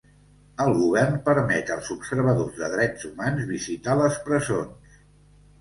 El govern permet als observadors de drets humans visitar les presons.